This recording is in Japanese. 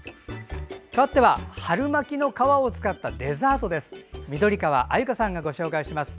かわっては春巻きの皮を使ったデザートです。